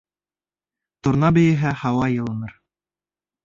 Торна бейеһә, һауа йылыныр.